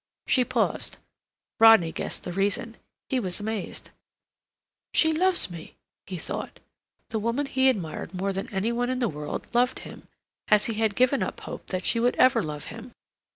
She paused. Rodney guessed the reason. He was amazed. "She loves me," he thought. The woman he admired more than any one in the world, loved him, as he had given up hope that she would ever love him.